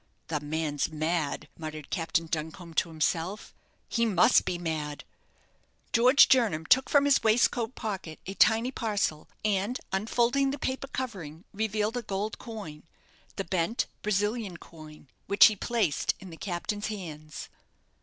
"The man's mad," muttered Captain Duncombe to himself; "he must be mad!" George Jernam took from his waistcoat pocket a tiny parcel, and unfolding the paper covering, revealed a gold coin the bent Brazilian coin which he placed in the captain's hands.